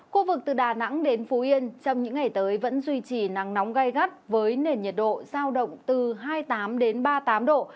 khu vực từ đà nẵng đến phú yên trong những ngày tới vẫn duy trì nắng nóng gai gắt với nền nhiệt độ giao động từ hai mươi tám ba mươi tám độ